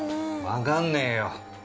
わかんねえよ。